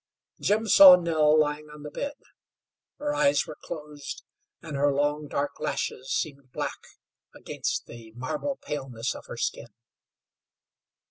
Jim saw Nell lying on the bed. Her eyes were closed, and her long, dark lashes seemed black against the marble paleness of her skin.